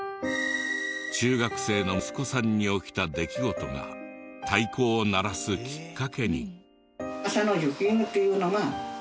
中学生の息子さんに起きた出来事が太鼓を鳴らすきっかけに。